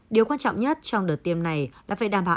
điều quan trọng nhất trong đợt tiêm này là phải đảm bảo